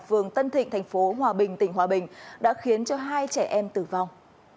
phường tân thịnh tp hòa bình tỉnh hòa bình đã khiến hai trẻ em tử vong